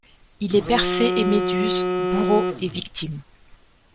Il est Persée et Méduse, bourreau et victime.